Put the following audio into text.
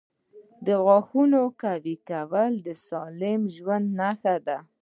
• د غاښونو قوي کول د سالم ژوند نښه ده.